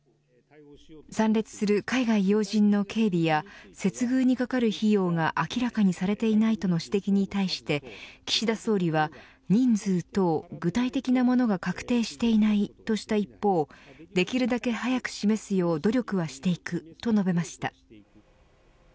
参列する海外要人の警備や接遇にかかる費用が明らかにされていないとの指摘に対して岸田総理は人数等、具体的なものが確定していないとした一方できるだけ早く示すよう努力はしていくと述べました。